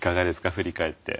振り返って。